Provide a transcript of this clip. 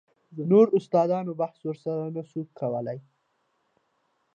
نورو استادانو بحث ورسره نه سو کولاى.